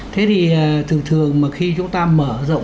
thế thì thường thường mà khi chúng ta mở rộng